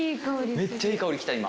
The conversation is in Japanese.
めっちゃいい香り来た今。